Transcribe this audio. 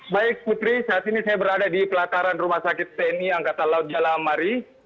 baik putri saat ini saya berada di pelataran rumah sakit tni angkatan laut jalamari